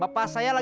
tunggu lo lho